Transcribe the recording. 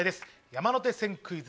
山手線クイズ